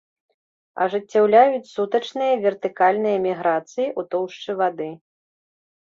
Ажыццяўляюць сутачныя вертыкальныя міграцыі ў тоўшчы вады.